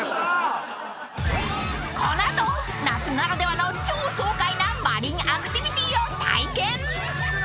［この後夏ならではの超爽快なマリンアクティビティを体験］